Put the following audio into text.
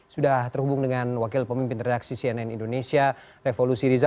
sudah terhubung dengan wakil pemimpin redaksi cnn indonesia revolusi riza